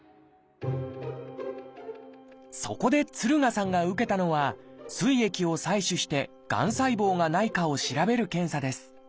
そこで敦賀さんが受けたのは膵液を採取してがん細胞がないかを調べる検査です。